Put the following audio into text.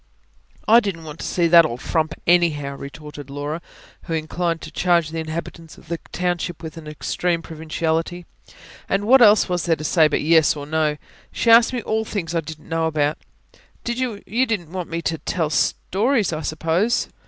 "I didn't want to see that old frump anyhow," retorted Laura, who inclined to charge the inhabitants of the township with an extreme provinciality. "And what else was there to say, but yes or no? She asked me all things I didn't know anything about. You don't want me to tell stories, I suppose?"